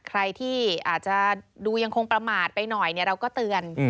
ใครที่อาจจะดูยังคงประมาทไปหน่อยเราก็เตือน